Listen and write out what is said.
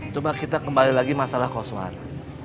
coba kita kembali lagi masalah koswara